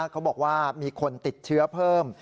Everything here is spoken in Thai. เขาบอกว่ามีคนติดเชื้อเพิ่ม